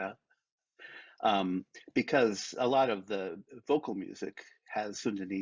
karena banyak musik vokalnya memiliki lirik sundanese